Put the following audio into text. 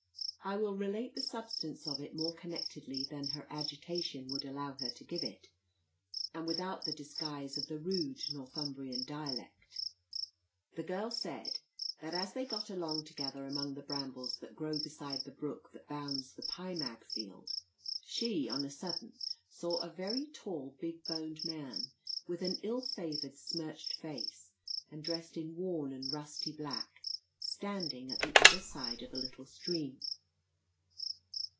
I will relate the substance of it more connectedly than her agitation would allow her to give it, and without the disguise of the rude Northumbrian dialect. The girl said, that, as they got along together among the brambles that grow beside the brook that bounds the Pie Mag field, she on a sudden saw a very tall big boned man, with an ill favoured smirched face, and dressed in worn and rusty black, standing at the other side of a little stream.